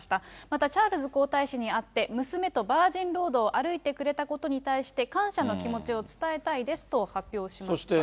またチャールズ皇太子に会って、娘とバージンロードを歩いてくれたことに対して、感謝の気持ちを伝えたいですと発表しました。